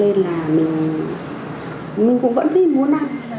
cho nên là mình vẫn muốn ăn